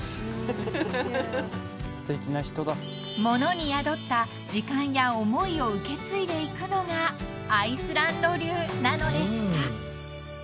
［ものに宿った時間や思いを受け継いでいくのがアイスランド流なのでした］